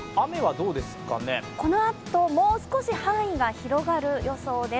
このあともう少し範囲が広がる予想です。